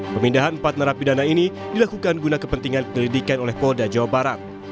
pemindahan empat narapidana ini dilakukan guna kepentingan penyelidikan oleh polda jawa barat